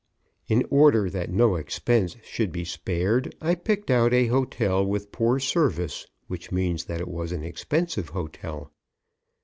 In order that no expense should be spared, I picked out a hotel with poor service, which means that it was an expensive hotel.